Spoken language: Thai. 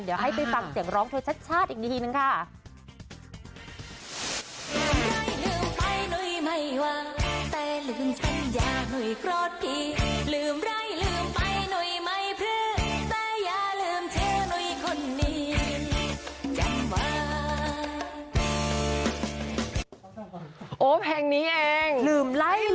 เดี๋ยวให้ไปฟังเสียงร้องเธอชัดอีกทีนึงค่ะ